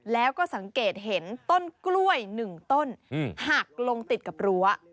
แล้วก็สังเกตเห็นต้นกล้วย๑ต้นหักลงติดกับรั้ว